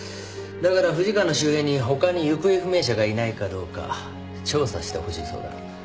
だから藤川の周辺にほかに行方不明者がいないかどうか調査してほしいそうだ。